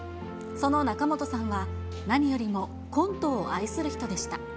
その仲本さんは、何よりもコントを愛する人でした。